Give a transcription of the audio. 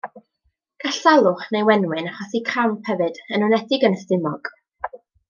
Gall salwch neu wenwyn achosi cramp hefyd, yn enwedig yn y stumog.